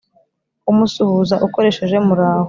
umusuhuza ukoresheje ― muraho”